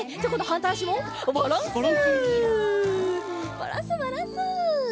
バランスバランス。